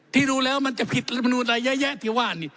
ที่ดูแล้วมันจะผิดรัฐมนูลอะไรเยอะแยะที่ว่านี่